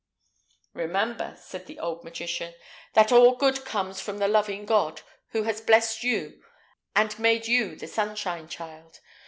"Remember," said the old magician, "that all good comes from the loving God, who has blessed you, and made you the sunshine child.